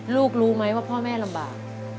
รู้ไหมว่าพ่อแม่ลำบาก